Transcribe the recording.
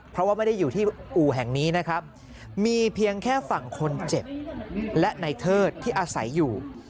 เพราะว่าไม่ได้อยู่ที่อู่แห่งนี้นะครับมีเพียงแค่ฝั่งคนเจ็บและในเทิดที่อาศัยอยู่